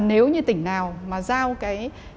nếu như tỉnh nào mà giao cái